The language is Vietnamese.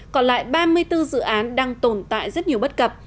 còn lại ba mươi bốn dự án đang tồn tại rất nhiều bất cập